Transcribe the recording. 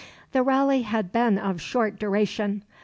The rally had been of short duration.